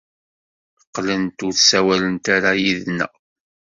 Qqlent ur ssawalent ara yid-neɣ.